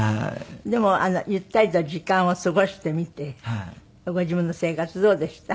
でもゆったりと時間を過ごしてみてご自分の生活どうでした？